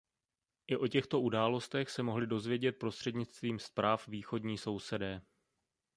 I o těchto událostech se mohli dozvědět prostřednictvím zpráv východní sousedé.